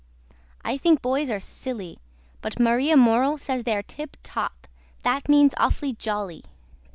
I THINK BOYS ARE SILLY BUT MARIA MORELL SAYS THEY ARE TIP TOP THAT MEANS AWFULLY JOLLY.